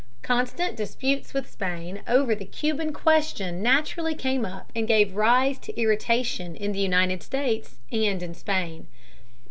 Constant disputes with Spain over the Cuban question naturally came up and gave rise to irritation in the United States and in Spain.